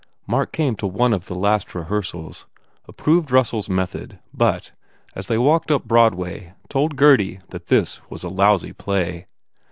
Mark came to one of the last; rehearsals, approved Russell s method but, as they walked up Broadway, told Gurdy that this was a "lousy" play.